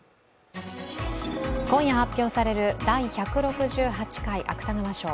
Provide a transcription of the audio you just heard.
今夜、発表される第１６８回芥川賞。